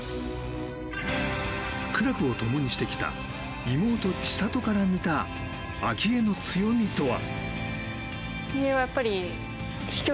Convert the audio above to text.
苦楽を共にしてきた妹・千怜から見た明愛の強みとは。